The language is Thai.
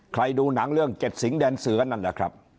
ดูหนังเรื่องเจ็ดสิงห์แดนเสือนั่นแหละครับ